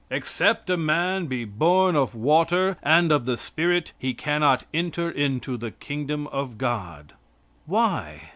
"Except a man be born of water and of the Spirit he cannot enter into the Kingdom of God." Why?